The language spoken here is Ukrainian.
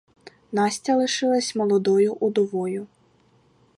Настя лишилась молодою удовою.